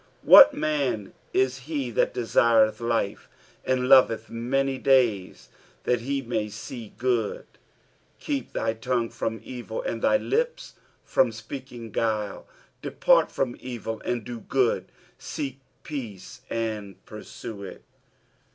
12 What man is he that desireth IHe, and loveth many days, that . he may see good ? 13 Keep thy tongue from evil, and thy lips from speaking guile. 14 Depart from evil, and do good ; seek peace, and pursue it.